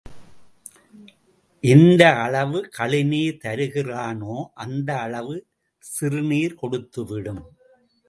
எந்த அளவு கழுநீர் தருகிறானோ அந்த அளவு சிறுநீர் கொடுத்துவிடும்.